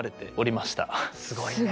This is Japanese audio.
すごいね。